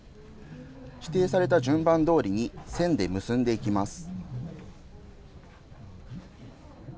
指定された順番どおりに線で結んでいきます。